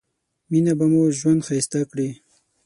مينه به مو ژوند ښايسته کړي